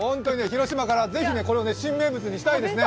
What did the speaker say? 広島から、ぜひこれを新名物にしたいですね。